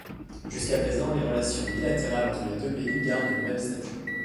Jusqu'à présent, les relations bilatérales entre les deux pays gardent le même statut.